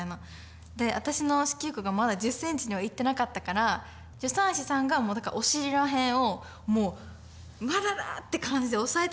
で私の子宮口がまだ１０センチにはいってなかったから助産師さんがお尻らへんをもう「まだだ」って感じで押さえてくるんですよ。